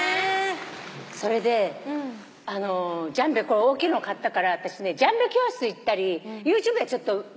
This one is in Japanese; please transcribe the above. それでジャンベ大きいの買ったからあたしねジャンベ教室行ったりＹｏｕＴｕｂｅで勉強したりしたの。